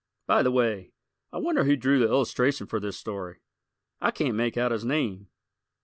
By the way, I wonder who drew the illustration for this story? I can't make out his name.